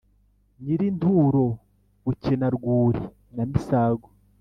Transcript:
nyirinturo bukena rwuri na misago